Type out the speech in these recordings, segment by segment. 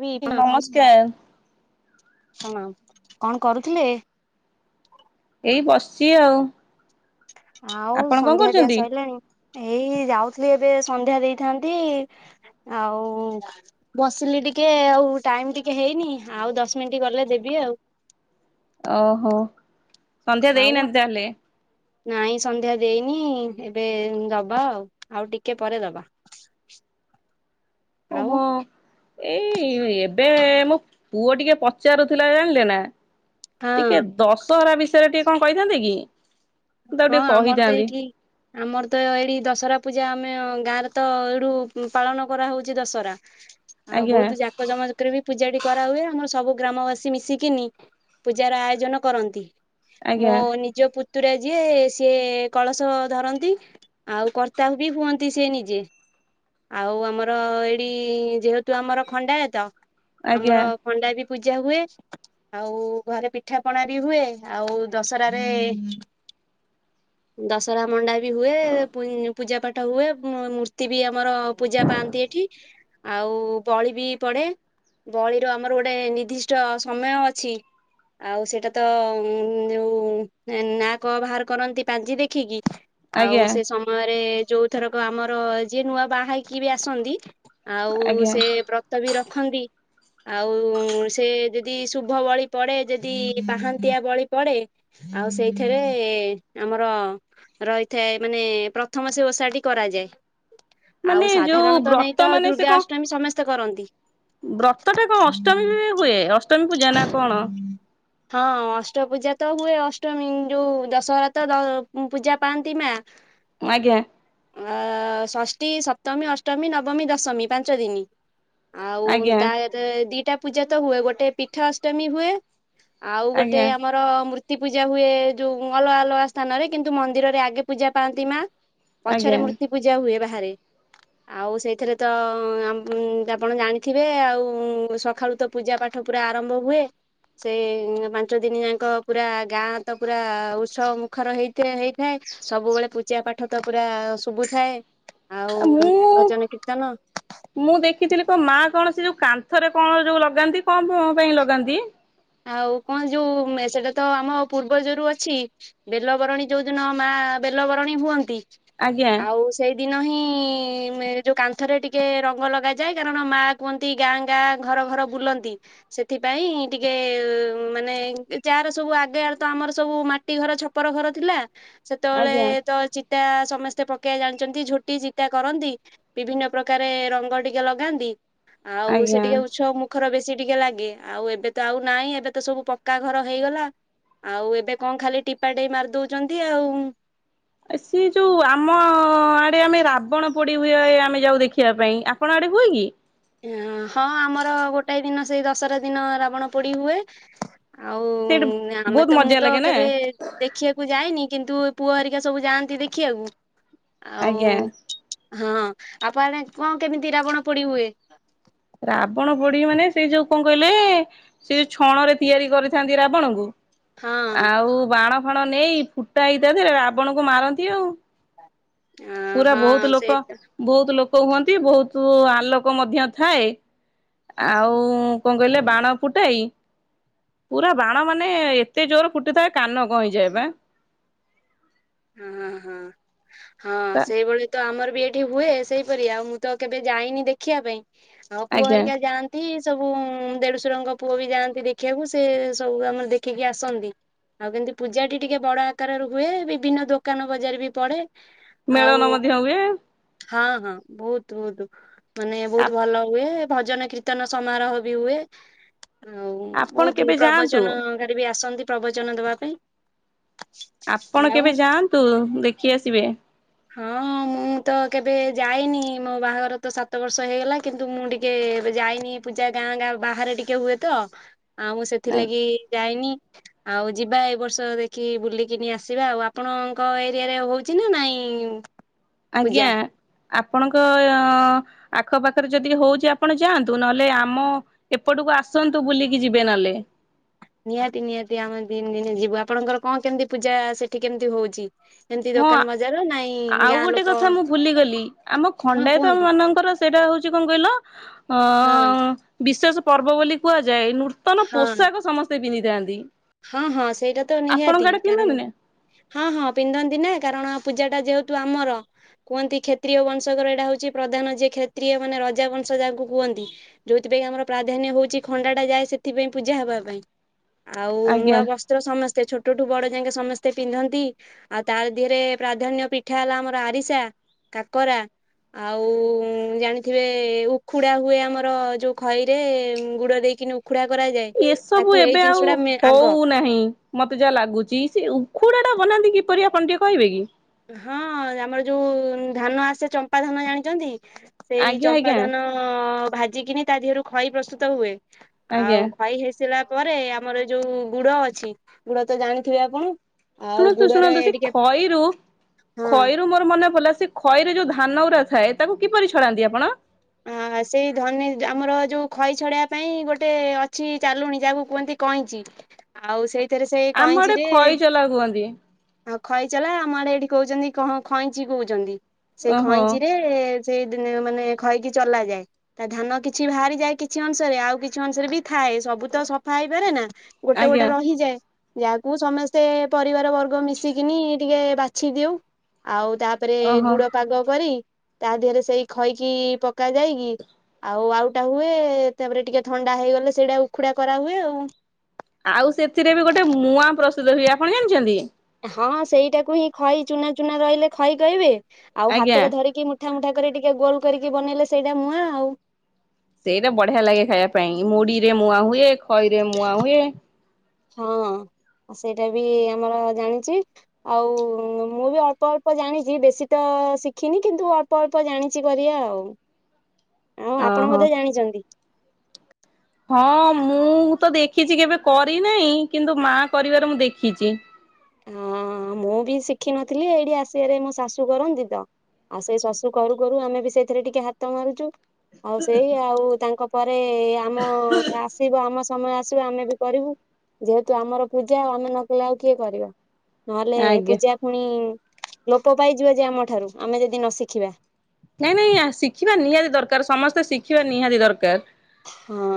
ବି ପ୍ରଣାମ ନମସ୍କାର। ପ୍ରଣାମ କଣ କରୁଥିଲେ? ଏ ବସିଛି ଆଉ। ଆଉ ଆପଣ କଣ ସନ୍ଧ୍ୟା ଦିଆ କରୁଛନ୍ତି? ସଇଲାଣି? ଏଇ ଯାଉଥିଲି, ଏବେ ସନ୍ଧ୍ୟା ଦେଇଥାନ୍ତି ଆଉ-ଉ-ଉ ବସିଲି ଟିକେ, ଆଉ ଟାଇମ୍ ଟିକେ ହେଇନି। ଆଉ ଦଶ ମିନିଟ୍ ଗଲେ ଦେବି ଆଉ। ଓହୋ! ସନ୍ଧ୍ୟା ଆଉ ଦେଇନାହାନ୍ତି ତାହେଲେ? ନାଇଁ ସନ୍ଧ୍ୟା ଦେଇନି। ଏବେ ଦବା ଆଉ। ଆଉ ଟିକେ ପରେ ଦବା। ଆଉ ଓହୋ! ଏଇ-ଇ-ଇ ଏବେ ମୋ ପୁଅ ଟିକେ ପଚାରୁଥିଲା, ଜାଣିଲେ ନା ହଁ ଟିକେ ଦଶହରା ବିଷ ୟରେ ଟିକେ କଣ କହିଥାନ୍ତେ କି? ମୁଁ ତାକୁ ହଁ ଟିକେ ଆମର ତ କହିଥାନ୍ତି ଏଇଠି ଆମର ତ ଏଇ ଦଶହରା ପୂଜା ଆମେ ଅଁ ଗାଁରେ ତ ଏଇଡୁ ପାଳନ କରା ହଉଛି ଦଶହରା।। ଆଉ ଆଜ୍ଞା ବହୁତ ଯାକ ଜମକରେ ବି ପୂଜାଟି କରାହୁଏ। ଆମର ସବୁ ଗ୍ରାମବାସୀ ମିଶିକିନି ପୂଜାର ଆୟୋଜନ କରନ୍ତି। ମୋ ଆଜ୍ଞା ନିଜ ପୁତ୍ ତୁରା ଯିଏ-ଏ ସିଏ କଳସ ଧରନ୍ତି। ଆଉ କର୍ତ୍ତା ବି ହୁଅନ୍ତି ସେ ନିଜେ। ଆଉ ଆମର ଏଇଠି ଯେହେତୁ ଆମର ଖଣ୍ଡାୟତ, ଆଜ୍ଞା ଆମର ଖଣ୍ଡା ବି ପୂଜା ହୁଏ। ଆଉ ଘରେ ପିଠା ପଣା ବି ହୁଏ। ଆଉ ଦଶହରାରେ ଦଶହରା ମଣ୍ଡା ବି ହୁଏ। ପୂ-ପୂଜା ପାଠ ହୁଏ। ମୂର୍ତ୍ତି ବି ଆମର ପୂଜା ପା ଆନ୍ତି ଏଠି। ଆଉ ବଳି ବି ପଡ଼େ। ବଳିର ଆମର ଗୋଟେ ନିର୍ଦ୍ଦିଷ୍ଟ ସମୟ ଅଛି। ଆଉ ସେଇଟା ତ ଯୋଉଁ ଲୋକ ବାହାର କରନ୍ତି ପାଞ୍ଜି ଦେଖିକି ଆଉ ଆଜ୍ଞା ସେ ସମୟରେ ଯୋଉଁ ଥରକ ଆମର ଆର ଯିଏ ନୂଆ ବାହା ହେଇକି ବି ଆସନ୍ତି। ଆଉ ଆଜ୍ଞା ସେ ବ୍ରତ ବି ରଖନ୍ତି। ଆଉ ସେ ଯଦି ଶୁଭ ବଳି ପଡ଼େ ଯଦି ପାହାନ୍ତିଆ ବଳି ପଡ଼େ ଆଉ ସେଇଥି [unintelligible] ଆମର ରହିଥାଏ ମାନେ ପ୍ରଥମ ସେ ଓଷାଟି କରାଯାଏ। ମାନେ ଆଉ ଯୋଉ ସାଧାରଣତଃ ବ୍ରତ ନେଇ ତ ମାନେ ସେ ଦୁର୍ଗା କଣ ଅଷ୍ଟମୀ ସମସ୍ତେ କରନ୍ତି। ବ୍ରତ ଟା କଣ ଅଷ୍ଟମୀ ହିଁ ହୁଏ ଅଷ୍ଟ ହଁ ଅଷ୍ଟ ପୂଜା ହୁଏ ଅଷ୍ଟମୀ ଯୋଉଁ ଦଶହର ପୂଜା ପାଆନ୍ତି ମା ଆଜ୍ଞା। ଅ ଷଷ୍ଠୀ, ସପ୍ତମୀ, ଅଷ୍ଟମୀ, ନବମୀ, ଦଶମୀ ପାଞ୍ଚ ଦିନି। ଆଉ ଆଜ୍ଞା ତା ଦି'ଟା ପୂଜା ତ ହୁଏ ଗୋଟେ ପୀଠା ଅଷ୍ଟମୀ ହୁଏ। ଆଉ ଗୋଟେ ଆଜ୍ଞା ଆମର ମୃ ତି ପୂଜା ହୁଏ ଯୋଉଁ ଅଲଗା ଅଲଗା ସ୍ଥାନରେ କିନ୍ତୁ ମନ୍ଦିରରେ ଆଗେ ପୂଜା ପାଆନ୍ତି ମା। ଆଜ୍ଞା ପଛରେ ମୂର୍ତ୍ତି ପୂଜା ହୁଏ। ବାହାରେ ଆଉ ସେଇଥିରେ ତ ଆମ ଆପଣ ଜାଣିଥିବେ ଆଉ ସକାଳୁ ତ ପୂଜା ପାଠ ପୁରା ଆରମ୍ଭ ହୁଏ। ସେଇ ପାଞ୍ଚ ଦିନ ଯାକ ପୁରା ଗାଁ ତ ପୁରା ଉତ୍ସବ ମୁଖର ହେଇ ହେଇଥାଏ। ସବୁବେଳେ ପୂଜା ପାଠ ତ ପୁରା ଶୁଭୁଥାଏ। ଆଉ ଆ ଭଜନ କୀର୍ତ୍ତନ ମୁଁ ଦେଖିଥିଲି କୋଉଁ ମା କଣ ସେ ଯୋଉଁ କାନ୍ଥରେ କଣ ଯୋଉଁ ଲଗାନ୍ତି। କଣ ପାଇଁ ଲଗାନ୍ତି? ଆଉ କଣ ଯୋଉଁ ସେଟା ତ ଆମ ପୂର୍ବଯୋରୁ ଅଛି ବେଲ ବରଣୀ ଯୋଉଁ ଦିନ ମା ବେଲବରଣୀ ହୁଅନ୍ତି। ଆଜ୍ଞା ଆଉ ସେଇ ଦିନ ହିଁ ଯୋଉଁ କାନ୍ଥରେ ଟିକେ ରଙ୍ଗ ଲଗାଯାଏ। କାରଣ ମା କୁହନ୍ତି ଗାଁ ଗାଁ ଘର ଘର ବୁଲନ୍ତି। ସେଥିପାଇଁ ଟିକେ ଟେ ମାନେ ଯାର ସବୁ ଆଗେ ତ ଆମର ସବୁ ମାଟି ଘର ଛପର ଘର ଥିଲା। ସେତେବେଳେ ଆଜ୍ଞା। ତଳେ ଚିତା ସମସ୍ତେ ପକେଇବା ଜାଣିଛନ୍ତି। ଝୋଟି ଚିତା କରନ୍ତି। ବିଭିନ୍ନ ପ୍ରକାର ରଙ୍ଗ ଟିକେ ଲଗାନ୍ତି। ଆଉ ସେ ଆଜ୍ଞା। ଟିକେ ଛ ମୁଖର ବେଶୀ ଟିକେ ଲାଗେ। ଆଉ ଏବେ ତ ଆଉ ନାଇଁ ଏବେ ତ ସବୁ ପକ୍କା ଘର ହେଇଗଲା। ଆଉ ଏବେ କଣ ଖାଲି ଟିପା ଟେଇ ମାରିଦଉଛନ୍ତି ଆଉ। ସିଏ ଯୋଉଁ ଆମ ଆଡ଼େ ଆମେ ରାବଣ ପୋଡ଼ି ହୁଏ। ଆମେ ଯାଉଁ ଦେଖିବା ପାଇଁ ଆପଣ ଆଡ଼େ ହୁଏନି? ହଁ ଆମର ଗୋଟାଏ ଦିନ ସେଇ ଦଶରା ଦିନ ରାବଣ ପୋଡ଼ି ହୁଏ। ଆଉ ସେଇଠି ଆମେ ବହୁତ ତ ମୁଁ ମଜା ତ ଲାଗେ ନା କେବେ ଦେଖିବାକୁ ଯାଇନି। କିନ୍ତୁ ପୁଅ ହରିକା ସବୁ ଯାଆନ୍ତି ଦେଖିବାକୁ। ଆଉ ଆଜ୍ଞା। ହଁ ଆପଣ କଣ କେମିତି ରାବଣ ପୋଡ଼ି ହୁଏ? ରାବଣ ପୋଡ଼ି ମାନେ ସେ ଯୋଉଁ କଣ କହିଲେ ସେ ଛଣ ରେ ତିଆରି କରିଥାନ୍ତି ରାବଣଙ୍କୁ ହଁ। ଆଉ ବାଣ ଫାଣ ନେଇ ଫୁଟା ହେଇଥାଏ ରାବଣକୁ ମାରନ୍ତି ଆଉ ଅ, ପୁରା ବହୁତ ହଁ ଲୋକ ସେଇ ତ। ବହୁତ ଲୋକ ହୁଅନ୍ତି ବହୁତ ଆଲୋକ ମଧ୍ୟ ଥାଏ। ଆଉ କଣ କହିଲେ ବାଣ ଫୁଟେଇ ପୁରା ବାଣ ମାନେ ଏତେ ଜୋର ଫୁଟୁଥାଏ କାନ କଣ ହେଇଯାଏ ବା। ହୁଁ ହୁଁ ହଁ ତା ସେଇଭଳି ତ ଆମର ଏଠି ହୁଏ ସେଇପରି ଆଉ ମୁଁ ତ କେବେ ଯାଇନି ଦେଖିବା ପାଇଁ ଆଉ ପୁଅ ଆଜ୍ଞା ହେରିକା ଯାଆନ୍ତି। ସବୁ ଦେଢୁଶୁରଙ୍କ ପୁଅ ବି ଯାଆନ୍ତି ଦେଖିବାକୁ ସେ ସବୁ ଆମର ଦେଖିକି ଆସନ୍ତି। ଆଉ କେମିତି ପୂଜାଟି ଟିକେ ବଡ଼ ଆକାର ର ହୁଏ ବିଭିନ୍ନ ଦୋକାନ ବଜାର ବି ପଡ଼େ। ମେଳନ ମଧ୍ୟ ହୁଏ। ହଁ ହଁ ବହୁତ୍ ବହୁତ୍ ମାନେ ଆ ବହୁତ୍ ଭଲ ହୁଏ। ଭଜନ କୀର୍ତ୍ତନ ସମାରୋହ ବି ହୁଏ। ଆଉ ଆପଣ ବହୁତ୍ କେବେ ଯାଆନ୍ତୁ ପ୍ରବଚନ [unintelligible] ବି ଆସନ୍ତି ପ୍ରବଚନ ଦବା ପାଇଁ। ଆପଣ ଆଉ କେବେ ଯାଆନ୍ତୁ ଦେଖି ଆସିବେ। ହଁ, ମୁଁ ତ କେବେ ଯାଇନି ମୋ ବାହାଘର ତ ସାତ ବର୍ଷ ହେଇଗଲା କିନ୍ତୁ ମୁଁ ଟିକେ ଏବେ ଯାଇନି ପୂଜା ଗାଁ ଗାଁ ବାହାରେ ଟିକେ ହୁଏ ତ ଆଉ ମୁଁ ସେଥିଲାଗି ଯାଇନି। ଆଉ ଯିବା ଏ ବର୍ଷ ଦେଖି ବୁଲିକିନି ଆସିବା ଆଉ ଆପଣଙ୍କ ଏରିଆରେ ହଉଛି ନା ନାଇଁ? ହୁଁ। ଆଜ୍ଞା। ଆପଣଙ୍କ ଆଖପାଖରେ ଯଦି ହଉଛି ଆପଣ ଯାଆନ୍ତୁ ନହେଲେ ଆମ ଏପଟୁ ଆସନ୍ତୁ ବୁଲିକି ଯିବେ ନହେଲେ। ନିହାତି ନିହାତି ଆମେ ଦିନ ଦିନେ ଯିବୁ ଆପଣଙ୍କର କଣ କେମିତି ପୂଜା ସେଠି କେମିତି ହଉଛି? ଏମିତି ହଁ ଦୋକାନ ବଜାର ନାଇଁ ଆଉ ଗାଁ ଗୋଟେ ଲୋକ କଥା ମୁଁ ଭୁଲିଗଲି ଆମ ହଁ ଖଣ୍ଡାୟତ କୁହନ୍ତୁ ମାନଙ୍କର ସେଇଟା ହଉଛି କଣ କହିଲ ଅ ହଁ ବିଶେଷ ପର୍ବ ବୋଲି କୁହା ଯାଏ ନୂତନ ହଁ ପୋଷାକ ସମସ୍ତେ ପିନ୍ଧିଥାନ୍ତି। ହଁ ହଁ ସେଇଟା ତ ଆପଣଙ୍କ ନିହାତି ଆଡେ କାରଣ ପିନ୍ଧନ୍ତି ନା ହଁ ହଁ ପିନ୍ଧ ନ୍ତି ନା କାରଣ ପୂଜା ଟା ଯେହେତୁ ଆମର କୁହନ୍ତି କ୍ଷତ୍ରୀୟ ବଂଶକର ଏଇଟା ହଉଛି ପ୍ରଧାନ ଯିଏ କ୍ଷତ୍ରୀୟ ମାନେ ରଜା ବଂଶ ଯାହାକୁ କୁହନ୍ତି ଯୋଉଥିପାଇଁ ଆମର ପ୍ରାଧାନ୍ୟ ହଉଛି ଖଣ୍ଡା ଟା ଯାଏ ସେଥିପାଇଁ ପୂଜା ହବା ପାଇଁ। ଆଉ ଆଜ୍ଞା ନୂଆ ବସ୍ତ୍ର ସମସ୍ତେ ଛୋଟ ଛୋଟ ଠୁ ବଡ଼ ଯାକେ ସମସ୍ତେ ପିନ୍ଧନ୍ତି ଆଉ ତା ଦେହରେ ପ୍ରାଧାନ୍ୟ ପିଠା ହେଲା ଆମର ଆରିସା। କାକରା। ଆଉ ଜାଣିଥିବେ ଉଖୁଡା ହୁଏ ଆମର ଯୋଉ ଖଇ ରେ ଗୁଡ଼ ଦେଇ ଉଖୁଡା କରାଯାଏ ଏସବୁ ତାକୁ ଏଇ ଏବେ ଜିନିଷ ଆଉ ଟା ମେ ଆଗ ହଉନାହିଁ ମତେ ଯାହା ଲାଗୁଛି ସେ ଉଖୁଡା ଟା ବନାନ୍ତି କିପରି ଆପଣ ଟିକେ କହିବେ କି? ହଁ ଆମର ଯୋଉ ଧାନ ଆସେ ଚମ୍ପା ଧାନ ଜାଣିଚନ୍ତି? ସେଇ ଆଜ୍ଞା ଚମ୍ପା ଆଜ୍ଞା ଧାନ ଭାଜିିକିନି ତା ଦେହରୁ ଖଇ ପ୍ରସ୍ତୁତ ହୁଏ। ଆଜ୍ଞା ଆଉ ଖଇ ହେଇସା ପରେ ଆମର ଏ ଯୋଉ ଗୁଡ଼ ଅଛି ଗୁଡ଼ ତ ଜାଣିଥିବେ ଆପଣ। ଆଉ ଶୁଣନ୍ତୁ ଗୁଡରେ ଶୁଣନ୍ତୁ ସେ ଟିକେ ଖଇ ରୁ ହଁ। ଖଇରୁ ମୋର ମନେ ପଡିଲା ସେ ଖଇ ରେ ଯୋଉ ଧାନ ଗୁରାଥାଏ ତାକୁ କିପରି ଛଡାନ୍ତି ଆପଣ? ହଁ ସେଇ ଧନୀ ଆମର ଯୋଉ ଖଇ ଛଡେଇବା ପାଇଁ ଗୋଟେ ଅଛି ଚାଲୁଣି ଯାହାକୁ କୁହନ୍ତି କଇଁଚି ଆଉ ସେଇଥିରେ ସେଇ ଆମ ଆଡେ କଇଁଚିରେ ଖଇ ଚଲା କୁହନ୍ତି ଖଇଚଲା ଆମ ଆଡ଼େ ଏଠି କହୁଛନ୍ତି କଣ ଖଇଁଚି କହୁଛନ୍ତି ସେଇ ଓହୋ ଖଇଁଚିରେ ସେଇଦିନେ ମାନେ ଖଇକି ଚଲା ଯାଏ ତା ଧାନ କିଛି ବାହାରି ଯାଏ କିଛି ଅଂଶରେ ଆଉ କିଛି ଅଂଶରେ ବି ଥାଏ ସବୁ ତ ସଫା [unintelligible] ନା ଗୋଟେ ଗୋଟେ ଆଜ୍ଞା। ରହିଯାଏ। ଯାହାକୁ ସମସ୍ତେ ପରିବାର ବର୍ଗ ମିଶିକିନି ଟିକେ ବାଛି ଦେଉ ଆଉ ତାପରେ ଓହୋ ଗୁଡ଼ ପାଗ କରି ତା ଦେହରେ ସେଇ ଖଇକି ପକା ଯାଇକି ଆଉ ଆଉଟା ହୁଏ ତାପରେ ଟିକେ ଥଣ୍ଡା ହେଇଗଲେ ସେଇଟା ଉଖୁଡା କରାହୁଏ ଆଉ। ଆଉ ସେଥିରେ ବି ଗୋଟେ ମୁଁଆ ପ୍ରସ୍ତୁତ ହୁଏ ଆପଣ ଜାଣିଛନ୍ତି? ହଁ ସେଇଟାକୁ ହିଁ ଖଇ ଚୁନା ଚୁନା ରହିଲେ ଖଇ କହିବେ ଆଉ ଆଜ୍ଞା ହାତରେ ଧରିକି ମୁଠା ମୁଠା କରି ଟିକେ ଗୋଲ କରିକି ବନେଇଲେ ସେଇଟା ମୁଁଆ ଆଉ। ସେଇଟା ବଢ଼ିଆ ଲାଗେ ଖାଇବା ପାଇଁ ମୁଢ଼ିରେ ମୁଆଁ ହୁଏ ଖଇରେ ମୁଆଁ ହୁଏ। ହଁ। ସେଇଟା ବି ଆମର ଜାଣିଛି ଆଉ ମୁଁ ବି ଅଳ୍ପ ଅଳ୍ପ ଜାଣିଛି ବେଶୀ ତ ଶିଖିନି କିନ୍ତୁ ଅଳ୍ପ-ଅଳ୍ପ ଜାଣିଛି କରିବା ଆଉ। ଆଉ ଆପଣ ଓହୋ। ବୋଧେ ଜାଣିଛନ୍ତି। ହଁ ମୁଁ ତ ଦେଖିଛି କେବେ କରିନାହିଁ କିନ୍ତୁ ମା କରିବାରେ ମୁଁ ଦେଖିଛି। ହଁ ମୁଁ ବି ଶିଖିନଥିଲି ଏଇଠି ଆସିବାରେ ମୋ ଶାଶୁ କରନ୍ତି ତ। ଆଉ ସେଇ ଶାଶୁ କରୁ କରୁ ଆମେ ବି ସେଇଥିରେ ଟିକେ ହାତ ମାରୁଛୁ। ଆଉ ସେଇ ଆଉ ତାଙ୍କ ପରେ ଆମ ଆସିବ ଆମ ସମୟ ଆସିବା ଆମେ ବି କରିବୁ ଯେହେତୁ ଆମର ପୂଜା ଆମେ ନ କଲେ ଆଉ କିଏ କରିବା? ନହେଲେ ଆଜ୍ଞା ପୂଜା ପୁଣି ଲୋପ ପାଇଯିବ ଯେ ଆମଠାରୁ ଆମେ ଯଦି ନ ଶିଖିବା। ନାଇଁ ନାଇଁ ଆ ଶିଖିବା ନିହାତି ଦରକାର ସମସ୍ତେ ଶିଖିବା ନିହାତି ଦରକାର। ହଁ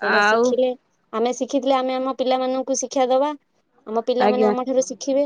ସେଇଟା ଆଉ ଶିଖିଲେ ଆମେ ଶିଖିଥିଲେ ଆମେ ଆମ ପିଲାମାନଙ୍କୁ ଶିକ୍ଷା ଦବା। ଆମ ପିଲାମାନେ ଆଜ୍ଞା ଆମ ଠାରୁ ଶିଖିବେ।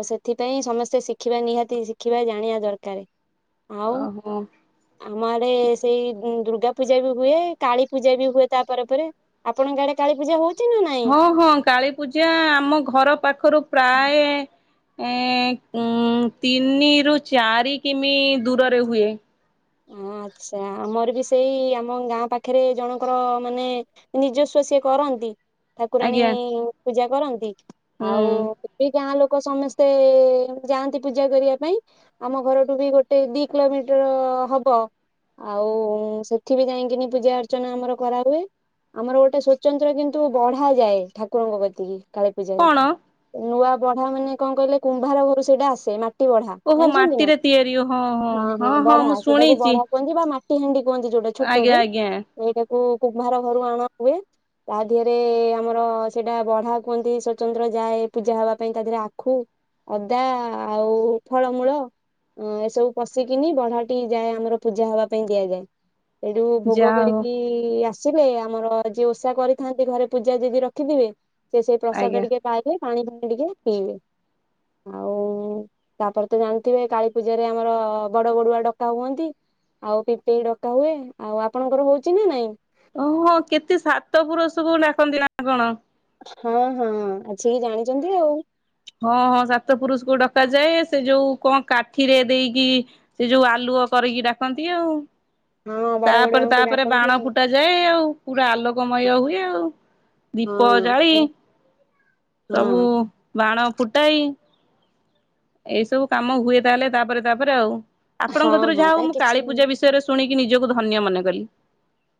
ତ ସେଥିପାଇଁ ସମସ୍ତେ ଶିଖିବା ନିହାତି ଶିଖିବା ଜାଣିବା ଦରକାର। ଆଉ ଓ ହୋ। ଆମ ଆଡେ ସେଇ ଦୁର୍ଗା ପୂଜା ବି ହୁଏ କାଳୀ ପୂଜା ବି ହୁଏ ତାପ ପରେ ଆପଣଙ୍କ ଆଡେ କାଳୀ ପୂଜା ହଉଛି। ନା ନାଇଁ? ହଁ-ହଁ କାଳୀ ପୂଜା ଆମ ଘର ପାଖରୁ ପ୍ରାୟ ଏ ଉ ତିନିରୁ ଚାରି କିମି ଦୂରରେ ହୁଏ। ହଁ। ଆଚ୍ଛା ଆମର ବି ସେଇ ଆମ ଗାଁ ପାଖରେ ଜଣଙ୍କର ମାନେ ନିଜସ୍ୱ ସିଏ କରନ୍ତି। ଠାକୁରାଣୀ ଆଜ୍ଞା। ପୂଜା କରନ୍ତି ଆଉ ହୁଁ ଏ ଗାଁ ଲୋକ ଲୋକ ସମସ୍ତେ ଯାଆନ୍ତି ପୂଜା କରିବା ପାଇଁ ଆମ ଘରଠୁ ବି ଗୋଟେ ଦି କିଲୋମିଟର ହବ। ହବ ଆଉ ସେଠ ବିି ଯାଇକିନି ପୂଜା ଅର୍ଚ୍ଚନା ଆମର କରାହୁଏ। ଆମର ଗୋଟେ ସ୍ଵତନ୍ତ୍ର କିନ୍ତୁ ବଢ ଯାଏ ଠାକୁରଙ୍କ ପ୍ରତି କାଳୀ ପୂଜାରେ କଣ? ନୂଆ ବଢା ମାନେ କଣ କହିଲେ କୁମ୍ଭାର ଘରୁ ସେଇଟା ଆସେ ମାଟି ବଢା ଓହୋ ଜାଣିଛନ୍ତି ନା ମାଟିରେ ତିଆରି ହଁ ହଁ ହଁ-ହଁ ହଁ ହଁ ବଢା। ମୁଁ ସେଟାକୁ ଶୁଣିଛି। ବଢା କୁହନ୍ତି ବା ମାଟି ହାଣ୍ଡି କୁହନ୍ତି ଯୋଉଟା ଆଜ୍ଞା ଛୋଟେ ଆଜ୍ଞା ଏଇଟା କଙ କୁମ୍ଭାର ଘରୁ ଆଣ ହୁଏ। ତା ଦେହରେ ଆମର ସେଟା ବଢା କୁହନ୍ତି ସ୍ଵତନ୍ତ୍ର ଯାଏ ପୂଜା ହବା ପାଇଁ ତା ଦେହରେ ଆଖୁ ଅଦା ଆଉ ଫଳମୂଳ ଏସବୁ ପଶିକିନି ବଢା ଠ ଯାଏ ଆମର ପୂଜା ହବା ପାଇଁ ଦିଆଯାଏ ସେଠୁ ଭୋଗ ଯାହା ହଉ କରିକି ଆସିଲେ ଆମର ଯିଏ ଓଷା କରିଥାନ୍ତି ଘରେ ପୂଜା ଯଦି ରଖିଥିବେ ସେ ସେଇ ପ୍ରସାଦ ଆଜ୍ଞା। ଟିକେ ପାଇବେ। ପାଣି ପାଣି ଟିକେ ପିଇବେ। ଆଉ ତାପରେ ତ ଜାଣିଥିବେ କାଳୀ ପୂଜାରେ ଆମର ବଡ ବଡୁଆ ଡ ଡକା ହୁଅନ୍ତି ଆଉ ପିପେଇ ଡକା ହୁଏ ଆଉ ଆପଣଙ୍କର ହଉଛି ନା ନାଇଁ? ଓହୋ କେତେ ସାତ ପୁରୁଷକୁୁ ଡାକନ୍ତି ନା କଣ? ହଁ-ହଁ ଆସିକି ଜାଣିଛନ୍ତି ଆଉ। ହଁ-ହଁ ସାତ ପୁରୁଷକୁ ଡକାଯାଏ ସେ ଯୋଉ କଣ କାଠିରେ ଦେଇକି ସେ ଯୋଉ ଆଲୁ ପୁଅ କରିକି ଡାକନ୍ତି ଆଉ। ହଁ ବଡ ବଡୁଆଙ୍କୁ ତାପରେ-ତାପରେ ଡାକନ୍ତି ବାଣ ଆଉ। ଫୁଟା ଯାଏ ଆଉ ପୁରା ଆଲୋକମୟ ହୁଏ ଆଉ। ଦୀପ ଜାଳି ହଁ ସବୁ ହଁ ବାଣ ଫୁଟାଇ ଏଇସବୁ କାମ ହୁଏ ତାହେଲେ ତାପରେ- ତାପରେ ଆଉ। ଆପଣଙ୍କ ହଁ ଧର ହଁ ଯାହା ତା ହଉ ମୁଁ କିଛି କାଳୀ ନୁହେଁ। ପୂଜା ବିଷୟରେ ଶୁଣିକି ନିଜକୁ ଧନ୍ୟ ମନେକଲି।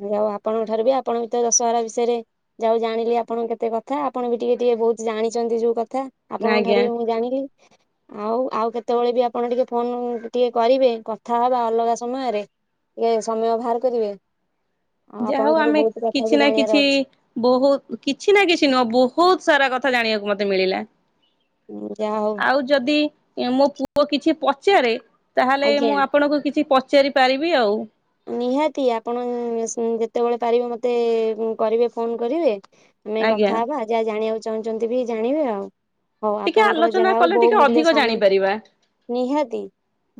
ଯାହା ହଉ ଆପଣଙ୍କ ଠାରୁ ବି ଆପଣ ବି ତ ଦଶହରା ବିଷୟରେ ଯାଉ ଜାଣିଲେ ଆପଣଙ୍କ କେତେ କଥା ଆପଣ ବି ଟିକେ ଟିକେ ସେ ବହୁତ ଜାଣିଛନ୍ତି ଯୋଉ କଥା ଆପଣଙ୍କ ଆଜ୍ଞା ଠାରୁ ବି ମୁଁ ଜାଣିଲି ଆଉ-ଆଉ କେତେ କେତେବେଳେ ବି ଆପଣ ଟିକେ ଫୋନ ଟିକେ କରିବେ କଥା ହବା ଅଲଗା ସମୟରେ। ଇଏ ସମୟ ବାହାର କରିବେ। ଆଉ ଯା ହଉ ଆପଣଙ୍କ ଠାରୁ ଆମେ ବହୁତ କଥା ବି କିଛି ନା ଜାଣିବାର କିଛି ଅଛି ବହୁତ କିଛି ନା କିଛି ନୁହ ବହୁତ୍ ସାରା କଥା ଜାଣିବାକୁ ମତେ ମିଳିଲା। ଯାହା ହଉ ଆଉ ଯଦି ମୋ ପୁଅ କିଛି ପଚାରେ ତାହେଲେ, ଆଜ୍ଞା। ମୁଁ ଆପଣଙ୍କୁ କିଛି ପଚାରି ପାରିବି, ଆଉ' । ନିହାତି ଆପଣ ସେ, ଯେତେବେଳେ ପାରିବେ ମତେ କରିବେ ଫୋନ କରିବେ। ଆମେ ଆଜ୍ଞା। କଥା ହବା। ଯାହା ଜାଣିବାକୁ ଚାହୁଁଛନ୍ତି, ବି ଜାଣିବେ ଆଉ। ହଉ ଟିକେ ଆପଣଙ୍କର, ଆଲୋଚନା ଯାହା ହଉ କଲେ ବହୁ ଟିକେ ମୂଲ୍ୟ ଅଧିକ ସ ଜାଣିପାରିବା ନିହାତି,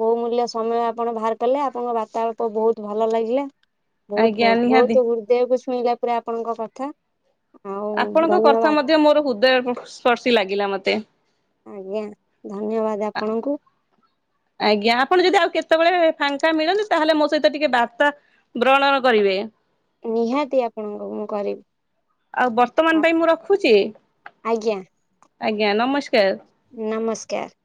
ବହୁମୂଲ୍ୟ ସମୟ ଆ ଆପଣ ବାହାର କଲେ ।ଆପଣଙ୍କ ବାର୍ତ୍ତା ରୂପ ବହୁତ ଭଲ ଲାଗିଲା। ବହୁତ, ଆଜ୍ଞା ବହୁତ, ନିହାତି। ବହୁତ, ହୃଦୟକୁ ଛୁ ଛୁଇଁଲା ପୁରା, ଆପଣଙ୍କ କଥା । ଆପଣଙ୍କ କର୍ଥା ମଧ୍ୟ, ମୋର ହୃଦୟ କୁ, ସ୍ପର୍ଶୀ ଲାଗିଲା ମତେ। ଆଜ୍ଞା ।ଧନ୍ୟବାଦ, ଆପଣଙ୍କୁ। ଆଜ୍ଞା। ଆପଣ ଯଦି ଆଉ କେତେବେଳେ, ଫାଙ୍କା ମିଳନ୍ତି ।ତାହେଲେ ମୋ ସହିତ ଟିକେ ବାର୍ତା, ବ୍ରଣନ କରିବେ। କରି ଆଉ ବର୍ତ୍ତମାନ ପାଇଁ ମୁଁ ରଖୁଛି? ଆଜ୍ଞା ଆଜ୍ଞା, ନମସ୍କ ନମସ୍କାର ।